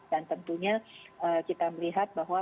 dan tentunya kita melihat bahwa